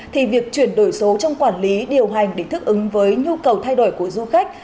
thì việc chuyển đổi số trong quản lý điều hành để thích ứng với nhu cầu thay đổi của du khách